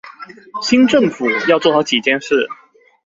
新政府要做好幾件事